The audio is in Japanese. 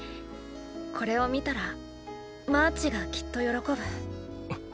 これを見たらマーチがきっと喜ぶ。！